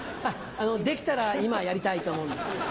できたら今やりたいと思うんですよ。